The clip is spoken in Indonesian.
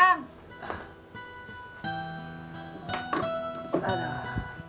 kalau masalah itu